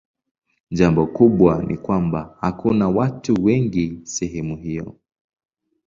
Jambo kubwa ni kwamba hakuna watu wengi sehemu hiyo.